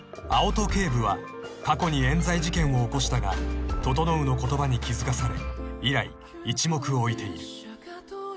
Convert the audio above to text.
［青砥警部は過去に冤罪事件を起こしたが整の言葉に気付かされ以来一目置いている］